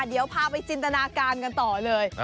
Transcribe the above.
เดี๋ยวพาไปจินตนาการกันต่อเลย